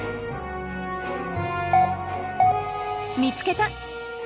見つけた！